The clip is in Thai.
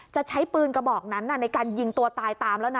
จะใช้ปืนกระบอกนั้นในการยิงตัวตายตามแล้วนะ